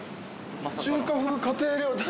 「中華風家庭料理」